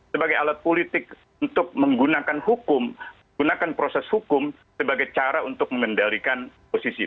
sebagai alat politik untuk menggunakan hukum gunakan proses hukum sebagai cara untuk mengendalikan posisi